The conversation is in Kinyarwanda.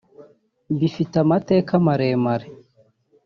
bifite amateka maremare